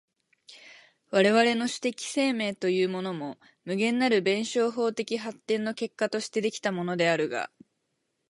我々の種的生命というものも、無限なる弁証法的発展の結果として出来たものであるが、